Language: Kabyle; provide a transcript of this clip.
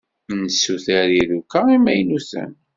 Nessuter iruka imaynuten.